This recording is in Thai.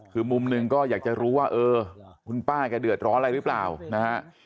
คือมุมหนึ่งก็อยากจะรู้ว่าเออคุณป้าแกเดือดร้อนอะไรหรือเปล่านะฮะ